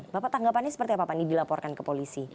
bapak tanggapannya seperti apa pak ini dilaporkan ke polisi